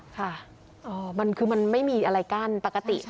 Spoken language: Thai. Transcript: ค่ะมันคือมันไม่มีอะไรกั้นปกติ